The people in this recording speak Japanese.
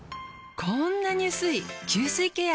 こんなに薄い吸水ケア。